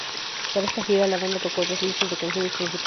Para esta gira, la banda tocó dos listas de canciones principales.